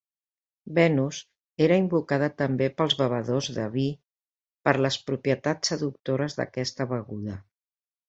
Venus era invocada també pels bevedors de vi per les propietats seductores d'aquesta beguda.